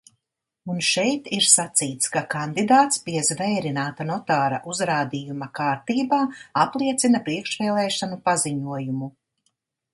Un šeit ir sacīts, ka kandidāts pie zvērināta notāra uzrādījuma kārtībā apliecina priekšvēlēšanu paziņojumu.